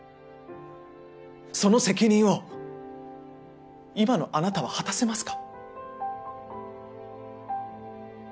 その責任を今のあなたは果たせますか？